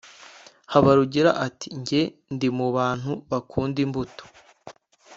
Haburugira ati “Njyewe ndi mu bantu bakunda imbuto